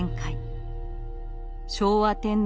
昭和天皇